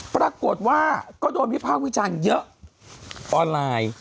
ปรากฏว่าก็โดนวิพากษ์วิจารณ์เยอะออนไลน์